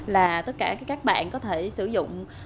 là tất cả các bạn có thể sử dụng